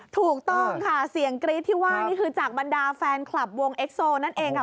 ถูกต้องค่ะเสียงกรี๊ดที่ว่านี่คือจากบรรดาแฟนคลับวงเอ็กโซนั่นเองค่ะ